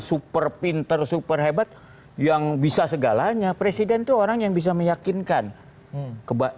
super pinter super hebat yang bisa segalanya presiden tuh orang yang bisa meyakinkan